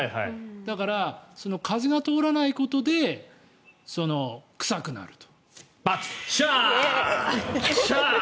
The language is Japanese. だから、風が通らないことで臭くなると。×！